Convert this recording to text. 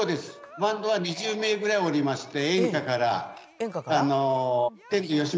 バンドは２０名ぐらいおりまして演歌から。